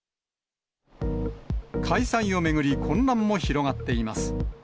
開催を巡り、混乱も広がっています。